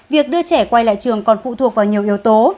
việc đưa trẻ quay lại trường còn phụ thuộc vào nhiều yếu tố